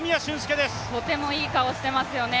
とてもいい顔をしてますよね。